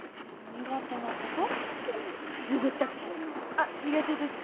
あっ苦手です。